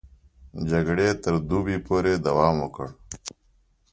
جګړې تر دوبي پورې دوام وکړ.